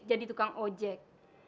jadi tukang ojek